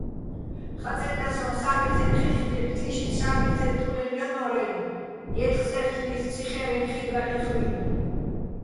ხაწენდა სოჼ სა́გირთაჲნ ხიხდი́ვჰ̦ თიშიჩო̆ სა́გირთეჼ ტუნელ ჲანორ-აჲნო̆, ჲეთხსე́რთლილიჩო̆ ციხერეჼ ხიგო̆ აჰ̦ო̆ იხუჲნი̆.